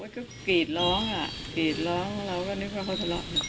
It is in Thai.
ก็กรีดร้องอ่ะกรีดร้องเราก็นึกว่าเขาทะเลาะ